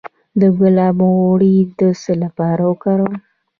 د ګلاب غوړي د څه لپاره وکاروم؟